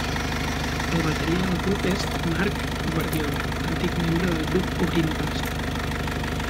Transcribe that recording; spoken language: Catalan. El bateria del grup és Marc Guardiola, antic membre del grup Obrint Pas.